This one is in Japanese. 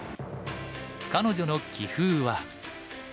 彼女の棋風は。